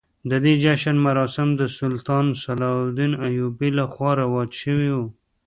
د دې جشن مراسم د سلطان صلاح الدین ایوبي لخوا رواج شوي وو.